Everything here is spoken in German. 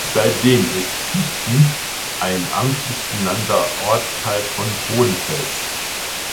Seitdem ist Fichten ein amtlich benannter Ortsteil von Hohenfels.